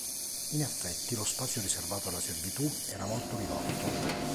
In effetti, lo spazio riservato alla servitù era molto ridotto.